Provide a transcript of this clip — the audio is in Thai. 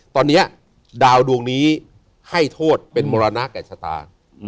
ตอนนี้ดาวดวงนี้ให้โทษเป็นมรณะแก่ชะตา